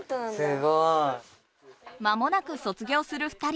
すごい。まもなく卒業する２人。